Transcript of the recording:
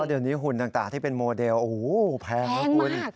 เดี๋ยวนี้หุ่นต่างที่เป็นโมเดลโอ้โหแพงนะคุณ